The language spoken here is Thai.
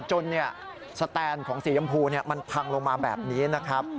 สแตนของสียำพูมันพังลงมาแบบนี้นะครับ